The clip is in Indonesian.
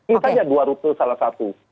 ini saja dua rute salah satu